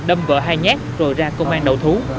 đâm vợ hai nhát rồi ra công an đầu thú